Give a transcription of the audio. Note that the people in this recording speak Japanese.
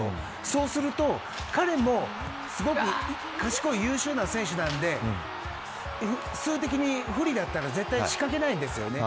そうすると彼もすごく賢い優秀な選手なので数的に不利だったら絶対に仕掛けないですよね。